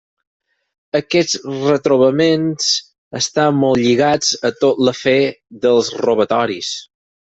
Aquests retrobaments estan molt lligats a tot l'afer dels robatoris.